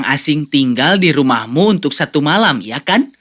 maksudku kau membiarkan orang asing tinggal di rumahmu untuk satu malam ya kan